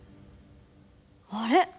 あれ？